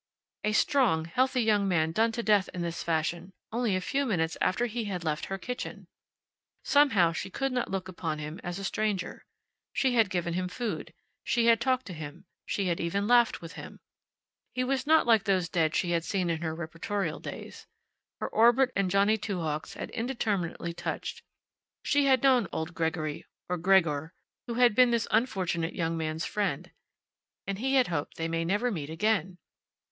A strong, healthy young man done to death in this fashion only a few minutes after he had left her kitchen! Somehow she could not look upon him as a stranger. She had given him food; she had talked to him; she had even laughed with him. He was not like those dead she had seen in her reportorial days. Her orbit and Johnny Two Hawks' had indeterminately touched; she had known old Gregory, or Gregor, who had been this unfortunate young man's friend. And he had hoped they might never meet again!